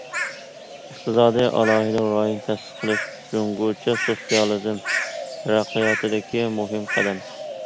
ئىقتىسادىي ئالاھىدە رايون تەسىس قىلىش جۇڭگوچە سوتسىيالىزم تەرەققىياتىدىكى مۇھىم قەدەم.